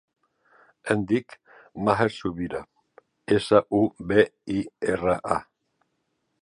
Em dic Maher Subira: essa, u, be, i, erra, a.